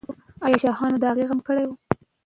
آیا شاهانو د هغې غم کړی و؟